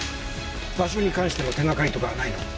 場所に関しての手がかりとかはないの？